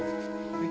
はい。